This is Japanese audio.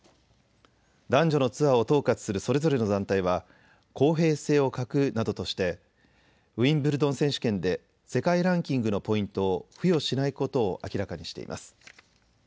男女のツアーを統括するそれぞれの団体は公平性を欠くなどとして、ウィンブルドン選手権で世界ランキングのポイントを付与しないことを明らかにしています。